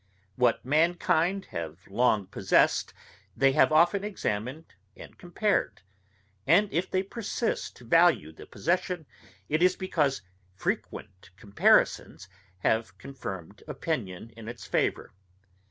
What mankind have long possessed they have often examined and compared; and if they persist to value the possession, it is because frequent comparisons have confirmed opinion in its favour.